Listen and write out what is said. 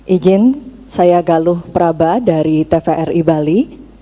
ijin saya galuh praba dari tvri bali